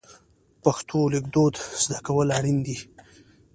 پښتو لیکدود زده کول اړین دي.